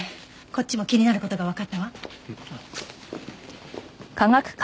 こっちも気になる事がわかったわ。